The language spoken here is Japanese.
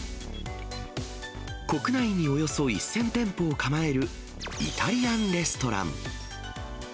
国内におよそ１０００店舗を構えるイタリアンレストラン。